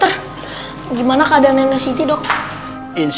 kalau gampang kalian bisa sendiri dong